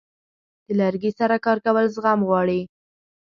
د لرګي سره کار کول زغم غواړي.